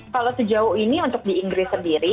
kalau sejauh ini untuk di inggris sendiri